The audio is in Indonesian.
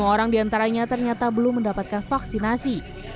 lima orang di antaranya ternyata belum mendapatkan vaksinasi